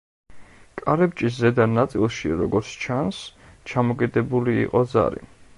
კარიბჭის ზედა ნაწილში, როგორც ჩანს, ჩამოკიდებული იყო ზარი.